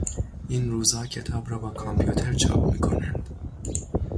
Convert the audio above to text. این روزها کتاب را با کامپیوتر چاپ میکنند.